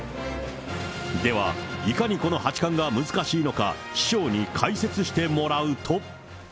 では、いかにこの八冠が難しいのか、師匠に解説してもらうと。